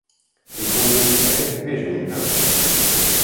He calls it an epic visual poem.